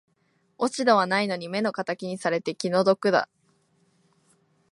落ち度はないのに目の敵にされて気の毒だ